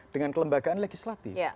dengan kelembagaan legislatif